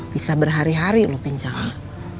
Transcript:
bisa berhari hari lo pincangnya